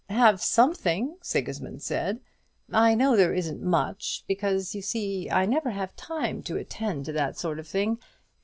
"Have something!" Sigismund said. "I know there isn't much, because, you see, I never have time to attend to that sort of thing.